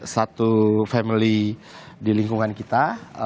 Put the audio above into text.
satu family di lingkungan kita